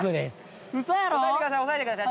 抑えてください。